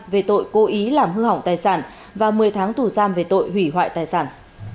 về tội cố ý làm hư hỏng tài sản và một mươi tháng tù giam về tội hủy hoại tài sản